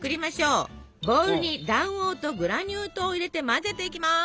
ボウルに卵黄とグラニュー糖を入れて混ぜていきます。